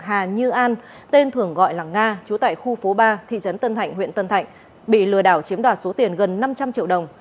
hà như an tên thường gọi là nga chú tại khu phố ba thị trấn tân thạnh huyện tân thạnh bị lừa đảo chiếm đoạt số tiền gần năm trăm linh triệu đồng